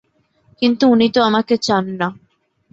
কিন্তু, উনি তো আমাকে চান না।